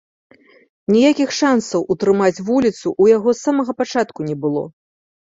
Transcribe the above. Ніякіх шансаў утрымаць вуліцу ў яго з самага пачатку не было.